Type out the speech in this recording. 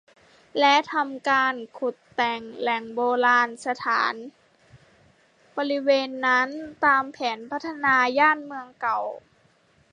และทำการขุดแต่งแหล่งโบราณสถานบริเวณนั้นตามแผนพัฒนาย่านเมืองเก่า